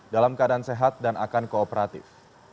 dalam keadaan sehat dan akan kooperatif